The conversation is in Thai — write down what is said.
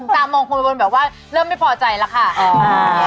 ตามองคุณไปบนแบบว่าเริ่มไม่พอใจแล้วค่ะ